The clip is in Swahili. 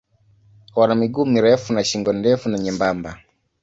Wana miguu mirefu na shingo ndefu na nyembamba.